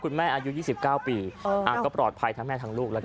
คุณแม่อายุ๒๙ปีก็ปลอดภัยทั้งแม่ทั้งลูก